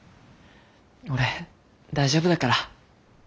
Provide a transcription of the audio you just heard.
俺大丈夫だから。